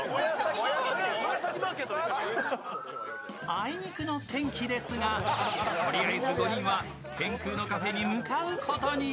あいにくの天気ですがとりあえず５人は天空のカフェに向かうことに。